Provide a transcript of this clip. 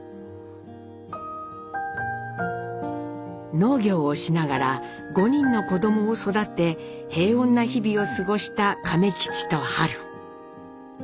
農業をしながら５人の子どもを育て平穏な日々を過ごした亀吉と春。